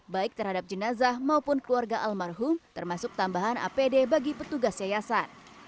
baik terhadap jenazah maupun keluarga almarhum termasuk tambahan apd bagi petugas yayasan